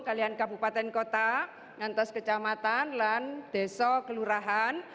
sekitar kabupaten kota kecamatan desa kelurahan